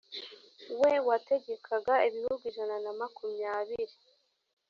we wategekaga ibihugu ijana na makumyabiri